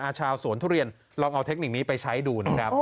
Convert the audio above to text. ชาวสวนทุเรียนลองเอาเทคนิคนี้ไปใช้ดูนะครับ